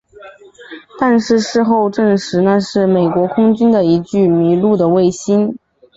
但是事后证实那是美国空军的一具迷路的卫星。